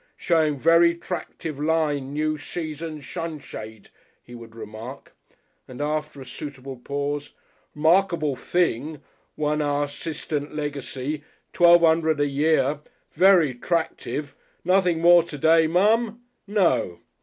"Showing very 'tractive line new sheason's shun shade," he would remark, and, after a suitable pause, "'Markable thing, one our 'sistant leg'sy twelve 'undred a year. V'ry 'tractive. Nothing more to day, mum? No!"